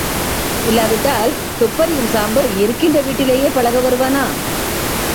இல்லாவிட்டால் துப்பறியும் சாம்பு இருக்கின்ற வீட்டிலேயே பழக வருவானா?